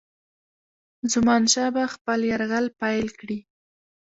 زمانشاه به خپل یرغل پیل کړي.